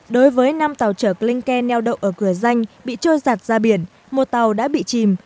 đối với năm tàu trở klinh kè neo đậu ở cửa danh bị trôi giặt ra biển một tàu đã bị chìm